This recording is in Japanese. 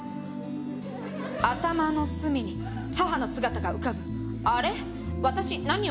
「頭の隅に母の姿が浮かぶ」「あれっ私何を？」